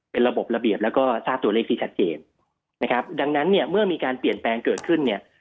เป็นระบบระเบียบแล้วก็ทราบตัวเลขที่ชัดเจนนะครับดังนั้นเนี่ยเมื่อมีการเปลี่ยนแปลงเกิดขึ้นเนี่ย